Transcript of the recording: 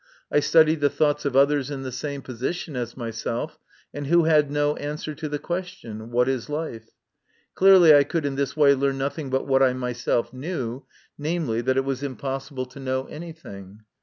I studied the thoughts of others in the same position as myself, and who had no answer to the question what is life ? Clearly I could in this way learn nothing but what I myself knew namely, that it was impossible to know anything.